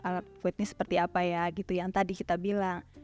alutnya seperti apa ya gitu yang tadi kita bilang